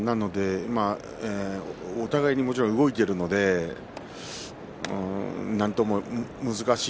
お互いにもちろん動いているのでなんとも難しい。